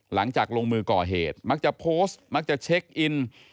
หลังจากลงมือก่อเหตุมักจะโพสต์มักจะเช็คอิน